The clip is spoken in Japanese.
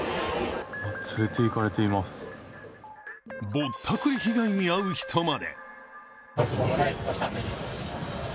ぼったくり被害に遭う人まで。